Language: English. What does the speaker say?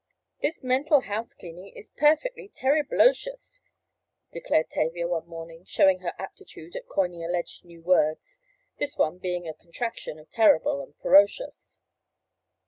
"This mental house cleaning is perfectly terriblocious!" declared Tavia one morning, showing her aptitude at coining alleged new words, this one being a "contraction" of terrible and ferocious.